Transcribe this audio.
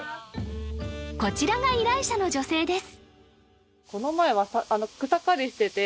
こちらが依頼者の女性です